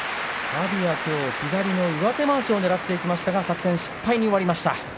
阿炎は左の上手まわしをねらっていきましたが作戦失敗に終わりました。